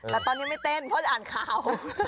แต่ตอนนี้ไม่เต้นเพราะจะอ่านข่าว